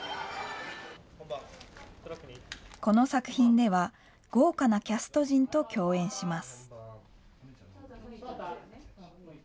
この作品では、豪華なキャスト陣と共演します。